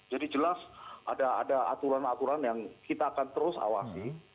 jadi jelas ada aturan aturan yang kita akan terus awasi